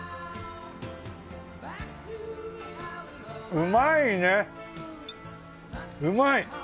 うまいねうまい！